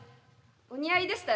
お似合いでしたよ。